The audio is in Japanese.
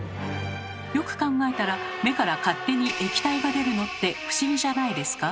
よく考えたら目から勝手に液体が出るのって不思議じゃないですか？